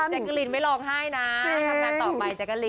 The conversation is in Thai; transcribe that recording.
แก๊กกะลินไม่ร้องไห้นะทำงานต่อไปแจ๊กกะลิน